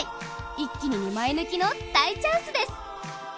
一気に２枚抜きの大チャンスです。